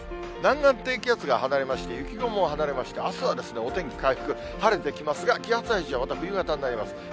南岸低気圧が離れまして、雪雲も離れまして、あすはお天気回復、晴れてきますが、気圧配置はまた冬型になります。